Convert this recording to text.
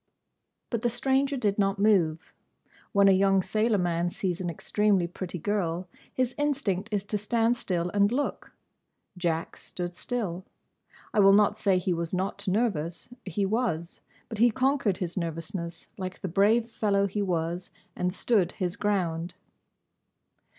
But the stranger did not move. When a young sailor man sees an extremely pretty girl, his instinct is to stand still and look. Jack stood still. I will not say he was not nervous. He was. But he conquered his nervousness, like the brave fellow he was, and stood his ground.